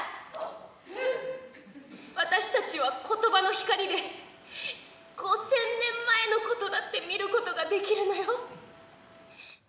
私たちはことばの光で５０００年前のことだって見ることができるのよ。